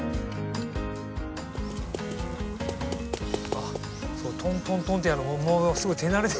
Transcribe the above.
あっそのトントントンってやるのものすごい手慣れて。